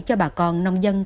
cho bà con nông dân